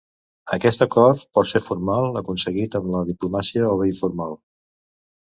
Aquest acord pot ser formal, aconseguit amb la diplomàcia, o bé informal.